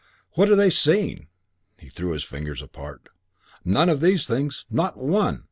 What are they seeing? " He threw his fingers apart. "None of these things. Not one.